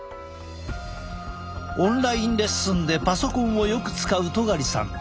オンラインレッスンでパソコンをよく使う戸苅さん。